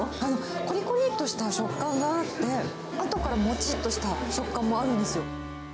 こりこりっとした食感があって、あとからもちっとした食感もあるんですよ。